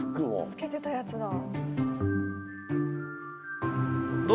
つけてたやつだ。